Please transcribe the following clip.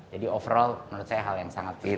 jadi overall menurut saya hal yang sangat penting